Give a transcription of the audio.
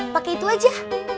pakai itu saja